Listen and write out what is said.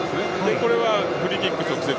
これはフリーキック、直接。